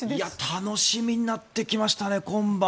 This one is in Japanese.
楽しみになってきましたね今晩。